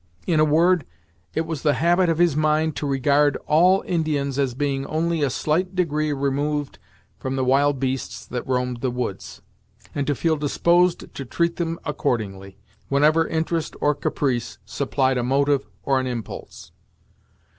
In a word, it was the habit of his mind to regard all Indians as being only a slight degree removed from the wild beasts that roamed the woods, and to feel disposed to treat them accordingly, whenever interest or caprice supplied a motive or an impulse.